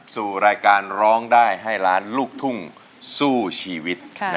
สู่รายการร้องได้ให้ล้านลูกทุ่งสู้ชีวิต